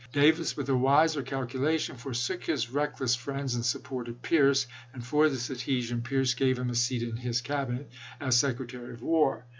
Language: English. Davis, with a wiser calculation, forsook his reckless friends and supported Pierce ; and for this adhesion Pierce gave him a seat in his Cabinet as Secretary of War.